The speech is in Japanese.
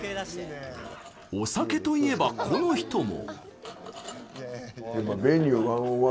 お酒といえば、この人も。